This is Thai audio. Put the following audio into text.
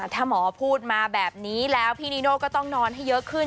ถ้าหมอพูดมาแบบนี้แล้วพี่นิโน่ก็ต้องนอนให้เยอะขึ้น